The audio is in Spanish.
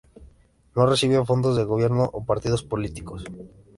No recibe fondos de gobiernos o partidos políticos.